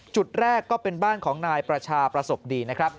จุดแรกก็เป็นบ้านของนายประชาประสบดีนะครับ